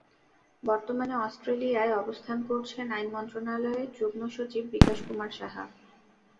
বর্তমানে অস্ট্রেলিয়ায় অবস্থান করছেন আইন মন্ত্রণালয়ের যুগ্ম সচিব বিকাশ কুমার সাহা।